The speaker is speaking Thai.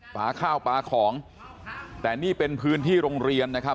ปลาข้าวปลาของแต่นี่เป็นพื้นที่โรงเรียนนะครับ